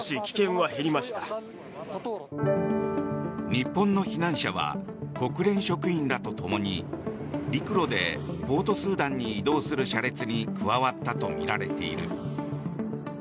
日本の避難者は国連職員らとともに陸路でポートスーダンに移動する車列に加わったとみられている。